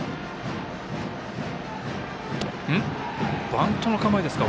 バントの構えですか。